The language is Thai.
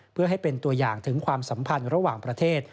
เพื่อให้เป็นตัวอย่างถึงความสัมพันธ์ระหว่างประเทศ